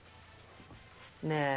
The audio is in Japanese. ねえ。